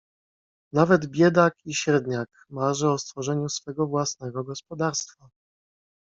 "Nawet biedak i średniak marzy o stworzeniu swego własnego gospodarstwa."